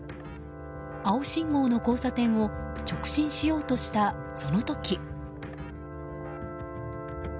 青信号の交差点を直進しようとした、その時。